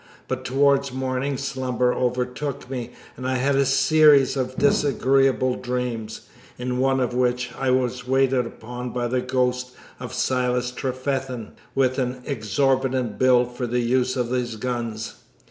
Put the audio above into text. But towards morning slumber overtook me, and I had a series of disagreeable dreams, in one of which I was waited upon by the ghost of Silas Trefethen with an exorbitant bill for the use of his guns.